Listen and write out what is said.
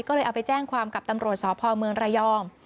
ก็เลยเอาไปแจ้งความกับตำรวจสพเมืองระยอง